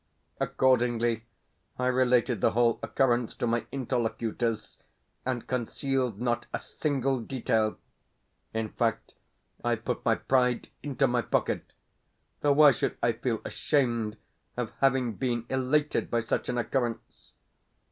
Accordingly, I related the whole occurrence to my interlocutors, and concealed not a single detail. In fact, I put my pride into my pocket though why should I feel ashamed of having been elated by such an occurrence?